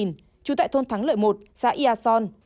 trú tại thôn thắng lợi một xã ia son